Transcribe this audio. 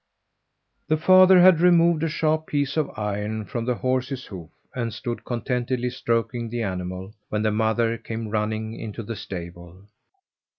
The father had removed a sharp piece of iron from the horse's hoof and stood contentedly stroking the animal when the mother came running into the stable.